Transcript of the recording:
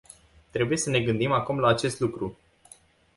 Trebuie să ne gândim acum la acest lucru.